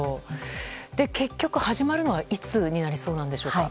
結局、始まるのはいつになりそうなんでしょうか？